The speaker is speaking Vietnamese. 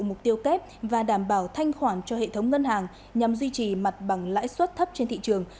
mục tiêu kép và đảm bảo thanh khoản cho hệ thống ngân hàng nhằm duy trì mặt bằng lãi suất thấp trên thị trường